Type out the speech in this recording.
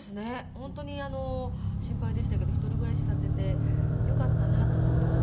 本当に心配でしたけど一人暮らしさせてよかったなと思っています